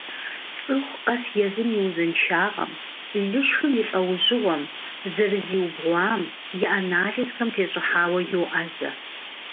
ЦӀыху къэс езым и узыншагъэм, лышхым и лӀэужьыгъуэм, зэрызиубгъуам, и анализхэм тещӀыхьауэ йоӀэзэ.